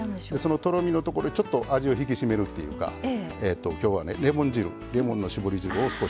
そのとろみのとこでちょっと味を引き締めるっていうか今日はねレモン汁レモンの搾り汁を少し入れます。